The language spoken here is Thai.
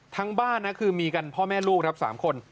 บ้านนะคือมีกันพ่อแม่ลูกครับ๓คน